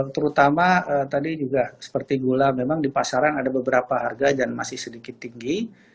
terutama tadi juga seperti gula memang di pasaran ada beberapa harga dan masih sedikit tinggi